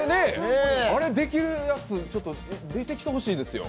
あれできるやつ、出てきてほしいですよ。